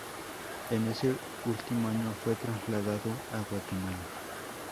En ese último año, fue trasladado a Guatemala.